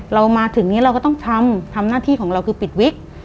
เรามาถึงนี้เราก็ต้องทำทำหน้าที่ของเราคือปิดวิก